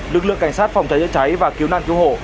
lực lượng cảnh sát phòng cháy chữa cháy và cứu nạn cứu hộ